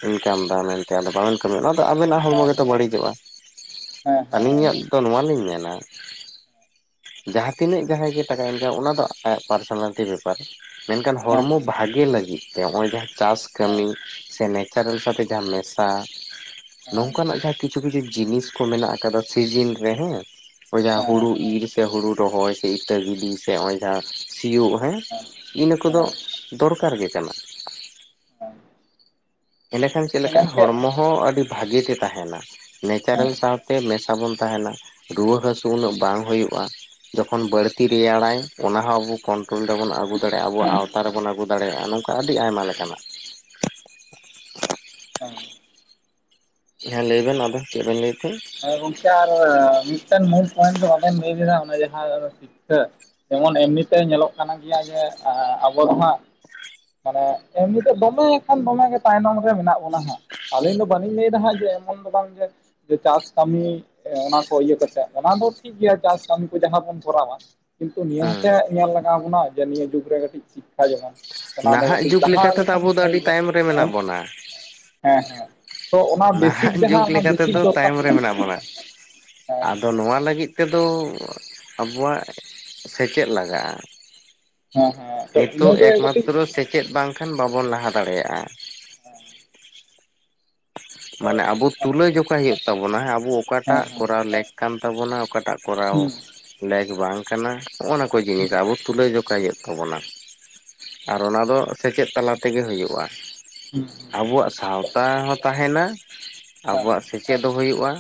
ᱤᱱᱠᱟᱢ ᱮᱫᱟ ᱢᱮᱱ ᱫᱚ ᱵᱟᱵᱮᱱ ᱠᱟᱹᱢᱤᱭᱟ, ᱚᱱᱟ ᱫᱚ ᱟᱵᱮᱱᱟᱜ ᱦᱚᱲᱢᱚ ᱜᱮᱛᱚ ᱵᱟᱹᱲᱤᱡᱚᱜᱼᱟ᱾ ᱟᱹᱞᱤᱧᱟᱜ ᱫᱚ, ᱱᱚᱣᱟᱞᱤᱧ ᱢᱮᱱᱟ ᱡᱟᱦᱟᱸᱛᱤᱱᱟᱹᱜ ᱡᱟᱦᱟᱸᱭ ᱜᱮ ᱴᱟᱠᱟᱭ ᱤᱱᱠᱟᱢ, ᱚᱱᱟ ᱫᱚ ᱟᱭᱟᱜ ᱯᱟᱨᱥᱚᱱᱟᱴᱤ ᱵᱮᱯᱟ ᱢᱮᱱᱠᱷᱟᱱ ᱦᱚᱲᱢᱚ ᱵᱷᱟᱜᱮ ᱞᱟᱹᱜᱤᱫ ᱛᱮ, ᱱᱚᱜᱼᱚᱭ ᱡᱟᱦᱟᱸ ᱪᱟᱥ ᱠᱟᱹᱢᱤ ᱥᱮ ᱱᱮᱪᱟᱨᱮᱞ ᱥᱟᱶᱛᱮ ᱡᱟᱦᱟ ᱢᱮᱥᱟ, ᱱᱚᱝᱠᱟᱱᱟᱜ ᱡᱟᱦᱟ ᱠᱤᱪᱷᱩ ᱠᱤᱪᱷᱩ ᱡᱤᱱᱤᱥ, ᱠᱚ ᱢᱮᱱᱟᱜ ᱟᱠᱟᱫᱟ ᱥᱤᱡᱤᱱ ᱨᱮ ᱦᱮᱸ, ᱚ ᱡᱟᱦᱟ ᱦᱳᱲᱩ ᱤᱨ, ᱥᱮ ᱦᱩᱲᱩ ᱨᱚᱦᱚᱭ, ᱥᱮ ᱤᱛᱟᱹ ᱜᱤᱰᱤ ᱥᱮ ᱚᱭ ᱡᱟᱦᱟ ᱥᱤᱭᱳᱜ, ᱤᱱᱟᱹ ᱠᱚᱫᱚ ᱫᱚᱨᱠᱟᱨ ᱜᱮ ᱠᱟᱱᱟ᱾ ᱮᱸᱰᱮᱠᱷᱟᱱ ᱪᱮᱫ ᱦᱮᱸ ᱞᱮᱠᱟᱼᱟ, ᱜᱚᱝᱠᱮ ᱦᱚᱲᱢᱚ ᱦᱚᱸ ᱟᱹᱰᱤ ᱵᱷᱟᱹᱜᱮ ᱛᱮ ᱛᱟᱦᱮᱱᱟ᱾ ᱦᱮᱸ ᱱᱮᱪᱟᱨᱮᱞ ᱥᱟᱶᱛᱮ ᱢᱮᱥᱟ ᱵᱚᱱ ᱛᱟᱦᱮᱱᱟ, ᱨᱩᱣᱟᱹ ᱦᱟᱹᱥᱩ ᱩᱱᱟᱹᱜ ᱵᱟᱝ ᱦᱳᱭᱳᱜᱼᱟ᱾ ᱡᱚᱠᱷᱚᱱ ᱵᱟᱹᱲᱛᱤ ᱨᱮᱭᱟᱲᱟᱭ, ᱚᱱᱟ ᱦᱚᱸᱚᱸ ᱟᱵᱚ ᱠᱚᱱᱴᱨᱳᱞ ᱨᱮᱵᱚᱱ ᱟᱹᱜᱩ ᱟᱹ ᱫᱟᱲᱮᱼᱟ ᱟᱵᱚ ᱟᱣᱛᱟ ᱨᱮᱵᱚᱱ ᱟᱹᱜᱩ ᱫᱟᱲᱮᱭᱟᱜᱼᱟ, ᱱᱚᱝᱠᱟ ᱟᱹᱰᱤ ᱟᱭᱢᱟ ᱞᱮᱠᱟᱱᱟᱜ, [unintelligible] ᱦᱮᱸ ᱦᱮᱸ ᱞᱟᱹᱭᱵᱱ ᱟᱫᱚ, ᱪᱮᱫ ᱵᱮᱱ ᱞᱟᱹᱭ ᱛᱟᱦᱮᱸᱱ? ᱦᱮᱸ ᱜᱚᱝᱠᱮ ᱟᱨ ᱢᱤᱫᱴᱮᱱ ᱢᱩᱞ ᱯᱚᱭᱮᱱᱴ ᱫᱚ ᱵᱟᱵᱮᱱ ᱞᱟᱹᱭ ᱞᱮᱫᱟ, ᱚᱱᱟ ᱡᱟᱦᱟᱸ ᱥᱤᱠᱷᱷᱟ ᱡᱮᱢᱚᱱ ᱮᱢᱱᱤ ᱛᱮ ᱧᱮᱞᱚᱜ ᱠᱟᱱᱟ ᱜᱮᱭᱟ, ᱡᱮ ᱟᱵᱚ ᱫᱚ ᱦᱟᱸᱜ ᱢᱟᱱᱮ ᱮᱢᱱᱤ ᱛᱮ, ᱫᱚᱢᱮ ᱮ ᱠᱷᱟᱱ ᱫᱚᱢᱮ ᱜᱮ ᱛᱟᱭᱱᱚᱢ ᱨᱮ ᱢᱮᱱᱟᱜ ᱵᱚᱱᱟ ᱦᱟᱜ, ᱟᱞᱤᱧ ᱫᱚ ᱵᱟᱹᱞᱤᱧ ᱞᱟᱹᱭᱮᱫᱟ ᱦᱞᱜ ᱡᱮ, ᱮᱢᱚᱱ ᱫᱚ ᱵᱟᱝ ᱡᱮ ᱪᱟᱥ ᱠᱟᱹᱢᱤ ᱚᱱᱟ ᱠᱚ ᱤᱭᱟᱹ ᱠᱟᱛᱮᱜ, ᱚᱱᱟ ᱫᱚ ᱴᱷᱤᱠ ᱜᱮᱭᱟ ᱪᱟᱥ ᱠᱟᱹᱢᱤ ᱠᱚ ᱡᱟᱦᱟᱸ ᱵᱚᱱ ᱠᱚᱨᱟᱣᱟ᱾ ᱠᱤᱱᱛᱩ ᱱᱤᱭᱟᱹ ᱦᱚᱸ ᱦᱮᱸ ᱥᱮ ᱧᱮᱞ ᱞᱟᱜᱟᱣ ᱵᱚᱱᱟ, ᱡᱮ ᱱᱤᱭᱟᱹ ᱡᱩᱜᱽ ᱨᱮ ᱠᱟᱹᱴᱤᱡ ᱥᱤᱠᱠᱷᱟ ᱡᱮᱢᱚᱱ ᱚᱱᱟ ᱫᱚ ᱱᱟᱦᱟᱜ ᱠᱟᱹᱴᱤᱡ, ᱡᱩᱜᱽ ᱞᱟᱦᱟ ᱞᱮᱠᱟ ᱛᱮᱫᱚ ᱞᱮᱠᱷᱟᱱ ᱟᱵᱚ ᱫᱚ ᱵᱷᱟᱜᱤ ᱟᱹᱰᱤ ᱜᱮᱭᱟ ᱛᱟᱭᱚᱢ ᱨᱮ ᱢᱮᱱᱟᱜ ᱦᱮᱸ ᱵᱚᱱᱟ ᱦᱮᱸ ᱛᱚ ᱚᱱᱟ ᱵᱮᱥᱤᱠ ᱡᱟᱦᱟᱸ, ᱚᱱᱟ ᱵᱮᱥᱤᱠ ᱫᱚᱨᱠᱟᱨ ᱯᱮ ᱢᱮᱱᱟᱜ ᱵᱚᱱᱟ, ᱦᱮᱸ ᱟᱫᱚ ᱦᱮᱸ ᱱᱚᱣᱟ ᱞᱟᱹᱜᱤᱫ ᱛᱮᱫᱚ ᱟᱵᱭᱟᱜ ᱥᱮᱪᱮᱫ ᱞᱟᱜᱟᱜᱼᱟ᱾ ᱦᱮᱸ ᱦᱮᱸ ᱛᱚ ᱱᱤᱛᱚᱜ ᱤᱱᱟᱹᱜᱮ ᱠᱟᱹᱴᱤᱡ ᱮᱠᱢᱟᱛᱨᱚ ᱥᱮᱪᱮᱫ ᱵᱟᱝᱠᱷᱟᱱ, ᱵᱟᱵᱚᱱ ᱞᱟᱦᱟ ᱫᱟᱲᱮᱭᱟᱜᱼᱟ᱾ [unintelligible] ᱛᱚ ᱢᱟᱱᱮ ᱟᱵᱚ ᱦᱮᱸ ᱛᱩᱞᱟᱹᱡᱚᱠᱷᱟ ᱦᱳᱭᱳᱜ ᱛᱟᱵᱚᱱᱟ, ᱟᱵᱚ ᱚᱠᱟᱴᱟᱜ ᱦᱮᱸ ᱦᱩᱸ ᱠᱚᱨᱟᱣ ᱞᱮᱠ ᱠᱟᱱ ᱛᱟᱵᱚᱱᱟ ᱚᱠᱟᱴᱟᱜ ᱠᱚᱨᱟᱣ ᱦᱩᱸ ᱞᱮᱠ ᱵᱟᱝ ᱠᱟᱱᱟ ᱦᱚᱜ ᱱᱟ ᱠᱚ ᱡᱤᱱᱤᱥ ᱦᱩᱸ ᱟᱵᱚ ᱛᱩᱞᱟᱹ ᱡᱚᱠᱷᱟ ᱦᱳᱭᱳ ᱛᱟᱵᱚᱱᱟ, ᱟᱨ ᱚᱱᱟ ᱫᱚ ᱥᱮᱪᱮᱫ ᱛᱟᱞᱟ ᱛᱮᱜᱮ ᱦᱳᱭᱳᱜᱼᱟ᱾ ᱦᱩᱸ, ᱟᱵᱚᱣᱟᱜ ᱥᱟᱶᱛᱟ ᱦᱚᱸ ᱛᱟᱦᱮᱱᱟ, ᱦᱮᱸ ᱟᱵᱚᱣᱟᱜ ᱥᱮᱪᱮᱫ ᱦᱚᱸ ᱦᱳᱭᱳᱜᱼᱟ᱾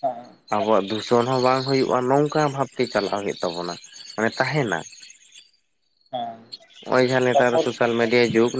ᱦᱮᱸ ᱟᱵᱚᱣᱟᱜ ᱫᱩ ᱡᱚᱱ [unintelligible] ᱦᱚᱸ ᱵᱟᱝ ᱦᱩᱭᱩᱜᱼᱟ᱾ ᱱᱚᱝᱠᱟ ᱵᱷᱟᱵᱛᱮ ᱪᱟᱞᱟᱜ ᱦᱩᱭᱩᱜ ᱛᱟᱵᱚᱱᱟ ᱢᱟᱱᱮ ᱛᱟᱦᱮᱱᱟ᱾ ᱦᱮᱸ ᱦᱚᱸᱜᱼᱚᱭ ᱡᱟᱦᱟᱸ ᱱᱮᱛᱟᱨ ᱛᱟᱯᱚᱨ ᱥᱳᱥᱟᱞ ᱢᱤᱰᱤᱭᱟ ᱡᱩᱜᱽᱼᱼ